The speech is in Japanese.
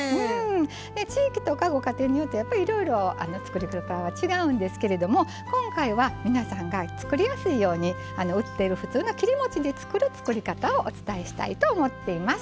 地域とかご家庭によってやっぱりいろいろ作り方は違うんですけれども今回は皆さんが作りやすいように売っている普通の切りもちで作る作り方をお伝えしたいと思っています。